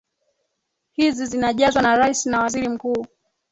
hizi zinajazwa na rais na waziri mkuu